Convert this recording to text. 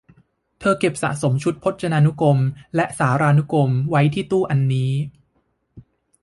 เธอเก็บสะสมชุดของพจนานุกรมและสารานุกรมไว้ที่ตู้อันนี้